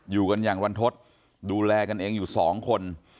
อยู่กันอย่างรันทศดูแลกันเองอยู่สองคน